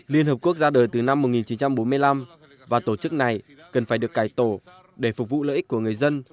liên hợp quốc ra đời từ năm một nghìn chín trăm bốn mươi năm và tổ chức này cần phải được cải tổ để phục vụ lợi ích của người dân